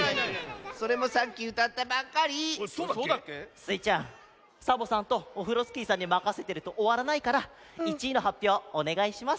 スイちゃんサボさんとオフロスキーさんにまかせてるとおわらないから１いのはっぴょうおねがいします。